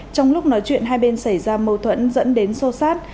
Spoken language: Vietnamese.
trong lúc nói chuyện hai bên xảy ra mâu thuẫn dẫn đến xô xát